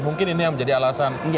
mungkin ini yang menjadi alasan